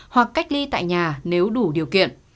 hoặc cách ly tại nhà nếu đủ điều kiện